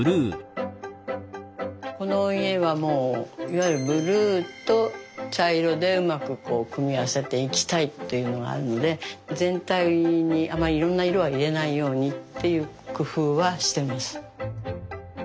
この家はもういわゆるブルーと茶色でうまく組み合わせていきたいっていうのがあるので全体にあんまりいろんな色は入れないようにっていう工夫はしてます。